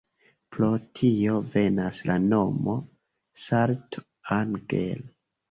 Pro tio venas la nomo "Salto Angel".